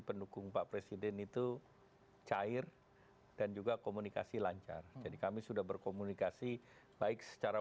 pendukung pak presiden itu cair dan juga komunikasi lancar jadi kami sudah berkomunikasi baik secara